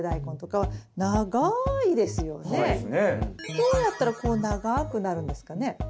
どうやったらこう長くなるんですかね？